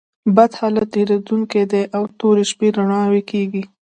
بد حالت تېرېدونکى دئ او توري شپې رؤڼا کېږي.